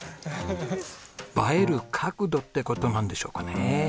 映える角度って事なんでしょうかね？